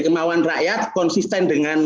kemauan rakyat konsisten dengan